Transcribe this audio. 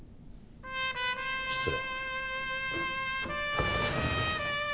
失礼。